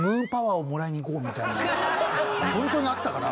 ホントにあったから。